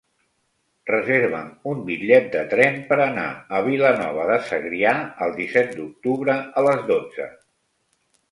Reserva'm un bitllet de tren per anar a Vilanova de Segrià el disset d'octubre a les dotze.